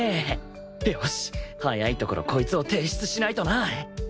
よし早いところこいつを提出しないとな！